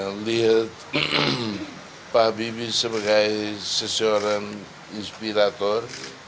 melihat pak habibie sebagai seseorang inspirator